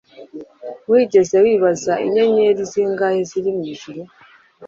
wigeze wibaza inyenyeri zingahe ziri mwijuru